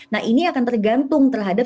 nah ini akan tergantung terhadap